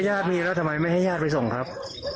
ญาติมีแล้วทำไมไม่ให้ญาติไปส่งครับ